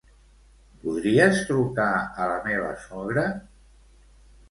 Podries trucar a la meva sogra?